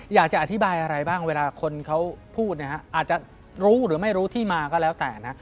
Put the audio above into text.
อยากจะอธิบายอะไรบ้างเวลาคนเขาพูดเนี่ยอาจจะรู้หรือไม่รู้ที่มาก็แล้วแต่นะ